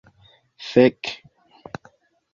Fek'!